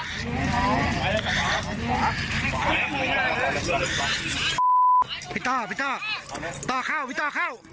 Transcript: พี่ต้อพี่ต้อต้อเข้าพี่ต้อเข้า